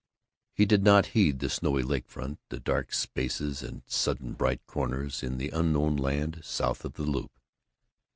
He did not heed the snowy lake front, the dark spaces and sudden bright corners in the unknown land south of the Loop.